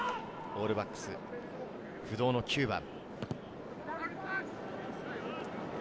オールブラックス不動の９番。